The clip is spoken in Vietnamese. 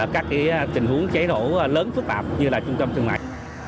các tình huống cháy nổ lớn phức tạp như là trung tâm thương mại